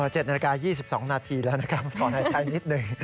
๗นาฬิกา๒๒นาทีแล้วนะครับขอให้ใช้นิดหนึ่ง